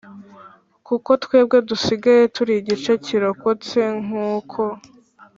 kuko twebwe dusigaye turi igice kirokotse nk uko